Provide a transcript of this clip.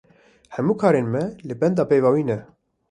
Hemû karên me li benda peyva wî ne.